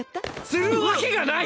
するわけがない！